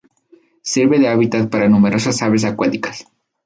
Sirve de hábitat para numerosas aves acuáticas.